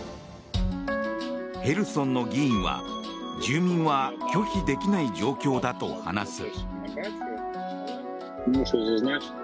ヘルソンの議員は、住民は拒否できない状況だと話す。